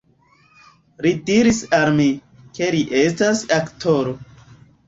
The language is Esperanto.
Li diris al mi, ke li estas aktoro.